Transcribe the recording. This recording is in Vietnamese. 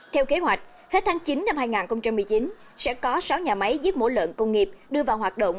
theo kế hoạch hết tháng chín năm hai nghìn một mươi chín sẽ có sáu nhà máy giết mổ lợn công nghiệp đưa vào hoạt động